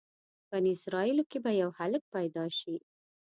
بني اسرایلو کې به یو هلک پیدا شي.